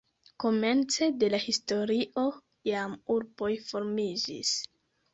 Komence de la historio jam urboj formiĝis.